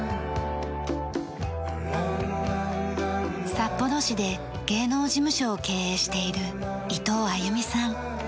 札幌市で芸能事務所を経営している伊藤亜由美さん。